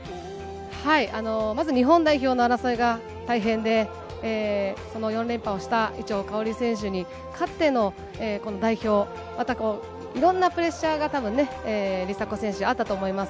まず日本代表の争いが大変で、その４連覇をした伊調馨選手に勝ってのこの代表、またいろんなプレッシャーがたぶん、梨紗子選手、あったと思います。